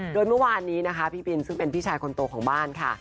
โดยเมื่อวานนี้นะคะพี่บินซึ่งเป็นพี่ชายคนโตของบ้านค่ะ